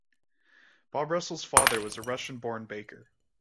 Bob Russell's father was a Russian-born baker.